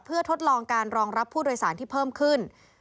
เพื่อทดลองการรองรับผู้โดยสารที่เพิ่มขึ้น